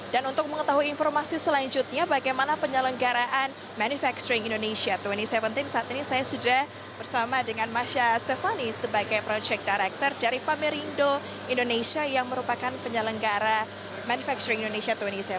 dan untuk mengetahui informasi selanjutnya bagaimana penyelenggaraan manufacturing indonesia dua ribu tujuh belas saat ini saya sudah bersama dengan masya stefani sebagai project director dari pamerindo indonesia yang merupakan penyelenggara manufacturing indonesia dua ribu tujuh belas